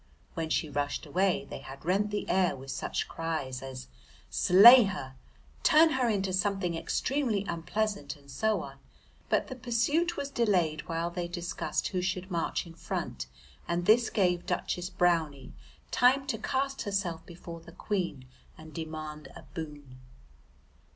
When she rushed away they had rent the air with such cries as "Slay her!" "Turn her into something extremely unpleasant!" and so on, but the pursuit was delayed while they discussed who should march in front, and this gave Duchess Brownie time to cast herself before the Queen and demand a boon.